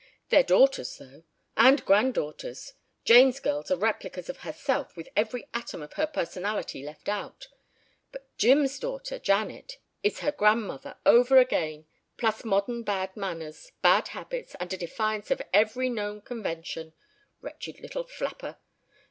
Their daughters though! And granddaughters! Jane's girls are replicas of herself with every atom of her personality left out but Jim's daughter, Janet, is her grandmother over again plus modern bad manners, bad habits, and a defiance of every known convention. Wretched little flapper.